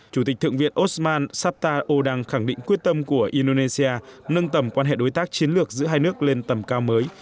chủ tịch thượng viên osman saptar odang khẳng định quyết tâm của indonesia nâng tầm quan hệ đối tác chiến lược giữa hai nước lên tầm cao mới